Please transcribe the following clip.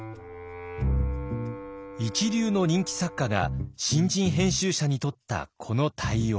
一流の人気作家が新人編集者にとったこの対応。